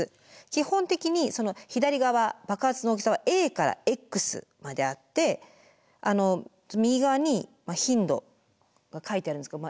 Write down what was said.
基本的に左側爆発の大きさはＡからＸまであって右側に頻度が書いてあるんですが。